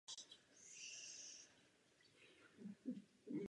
Parlament však rozhodně nesmí být příliš autoritářský.